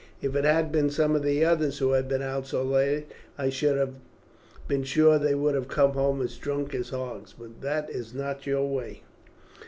"If it had been some of the others who had been out so late, I should have been sure they would have come home as drunk as hogs; but that is not your way."